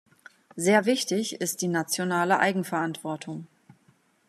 Sehr wichtig ist die nationale Eigenverantwortung.